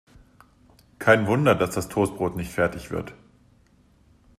Kein Wunder, dass das Toastbrot nicht fertig wird.